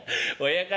親方！